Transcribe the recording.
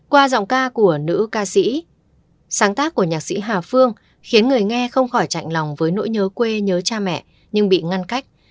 qua giọng ca của nữ ca sĩ sáng tác của nhạc sĩ hà phương khiến người nghe không khỏi chạy lòng với nỗi nhớ quê nhớ cha mẹ nhưng bị ngăn cách